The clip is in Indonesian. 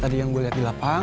tadi yang kita spark